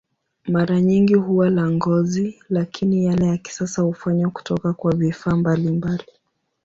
Mara nyingi huwa la ngozi, lakini yale ya kisasa hufanywa kutoka kwa vifaa mbalimbali.